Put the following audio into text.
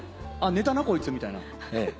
あっ寝たなこいつみたいな。